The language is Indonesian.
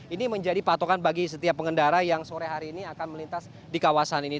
ini menjadi patokan bagi setiap pengendara yang sore hari ini akan melintas di kawasan ini